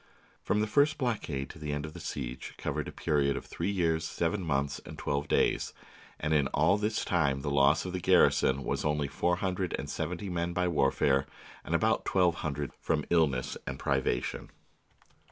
From the first blockade to the end of the siege covered a period of three years, seven months, and twelve days, and in all this time the loss of the garrison was only four hundred and seventy men by warfare and about twelve hundred from illness and privation.